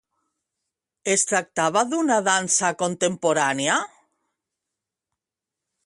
Es tractava d'una dansa contemporània?